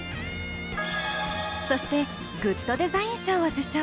そしてグッドデザイン賞を受賞。